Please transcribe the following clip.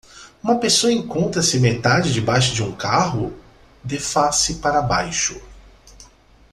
Uma pessoa encontra-se metade debaixo de um carro? de face para baixo.